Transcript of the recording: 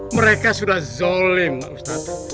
mereka sudah zolim ustadz